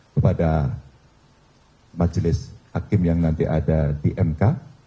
kepada majelis hakim yang nanti ada di mk